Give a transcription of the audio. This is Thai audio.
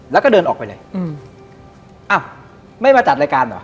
แล้วก็เดินออกไปเลยอืมอ้าวไม่มาจัดรายการเหรอ